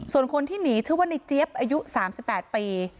ส่วนคนที่หนีชื่อว่าในเจี๊ยบอายุ๓๘ปี